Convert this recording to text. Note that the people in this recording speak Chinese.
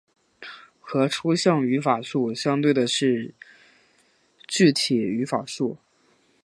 和抽象语法树相对的是具体语法树。